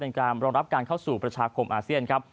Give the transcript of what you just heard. การรองรับการเข้าสู่ประชาคมอาเซียนครับ